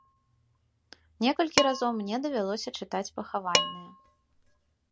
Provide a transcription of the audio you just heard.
Некалькі разоў мне давялося чытаць пахавальныя.